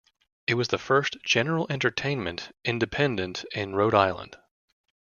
It was the first general-entertainment Independent in Rhode Island.